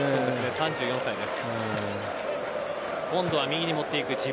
３４歳です。